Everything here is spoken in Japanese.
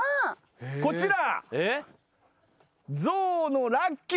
こちら。